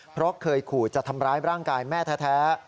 เพราะเคยขู่จะทำร้ายร่างกายแม่แท้